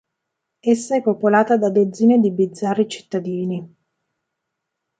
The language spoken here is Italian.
Essa è popolata da dozzine di bizzarri cittadini.